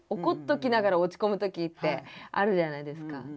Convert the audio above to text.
怒っときながら落ち込むときってあるじゃないですか。